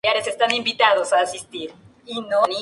No es necesario aplicar jabones, cremas u otras sustancias.